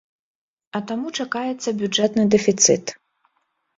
А таму чакаецца бюджэтны дэфіцыт.